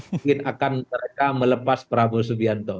mereka akan melepas prabowo subianto